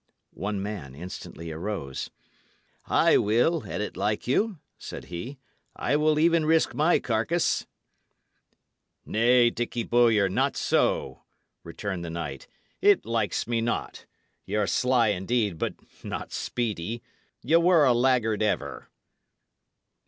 One man instantly arose. "I will, an't like you," said he. "I will even risk my carcase." "Nay, Dicky Bowyer, not so," returned the knight. "It likes me not. Y' are sly indeed, but not speedy. Ye were a laggard ever."